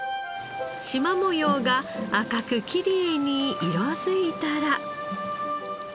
しま模様が赤くきれいに色づいたら。